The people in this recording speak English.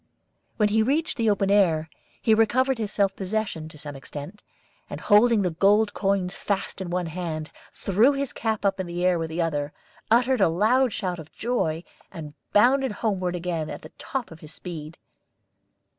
When he reached the open air, he recovered his self possession to some extent, and holding the gold coins fast in one hand, threw his cap up in the air with the other, uttered a loud shout of joy, and bounded homeward again at the top of his speed.